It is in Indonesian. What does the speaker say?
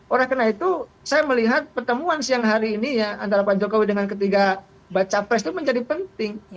oleh karena itu saya melihat pertemuan siang hari ini ya antara pak jokowi dengan ketiga baca pres itu menjadi penting